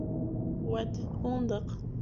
Үәт, уңдыҡ.